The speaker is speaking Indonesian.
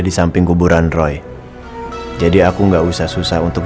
siapakah permisi se older siviara yang bisa saya lakukan